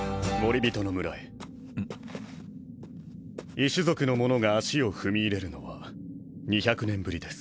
異種族の者が足を踏み入れるのは２００年ぶりです。